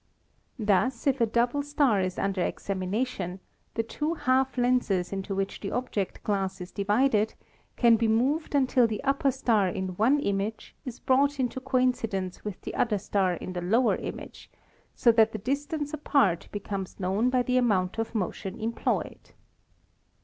Thus, if a double star is under examination, the two half lenses into which the object glass is divided can be moved until the upper star in one image is brought into coincidence with the other star in the lower iamge, so that the distance apart becomes known by the amount of motion employed.